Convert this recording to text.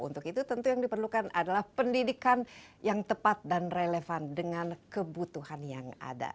untuk itu tentu yang diperlukan adalah pendidikan yang tepat dan relevan dengan kebutuhan yang ada